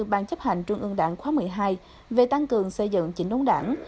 khi chấp hành trung ương đảng khóa một mươi hai về tăng cường xây dựng chỉnh đống đảng